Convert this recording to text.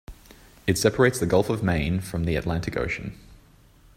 It separates the Gulf of Maine from the Atlantic Ocean.